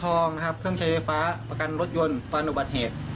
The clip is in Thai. ทองนะครับเครื่องใช้ไฟฟ้าประกันรถยนต์ฟันอุบัติเหตุ